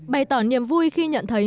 bày tỏ niềm vui khi nhận thấy